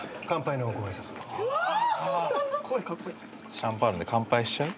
シャンパンで乾杯しちゃう？